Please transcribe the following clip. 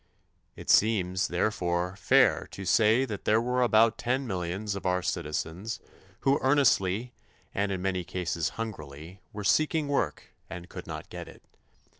It seems, therefore, fair to say that there were about 10 millions of our citizens who earnestly, and in many cases hungrily, were seeking work and could not get it.